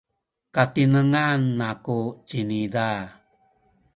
katinengan aku ciniza.